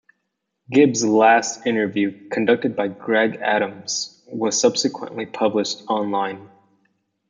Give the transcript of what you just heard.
Gibbs' last interview, conducted by Greg Adams, was subsequently published online.